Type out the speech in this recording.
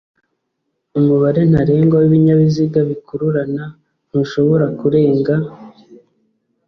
umubare ntarengwa w’ibinyabiziga bikururana ntushobora kurenga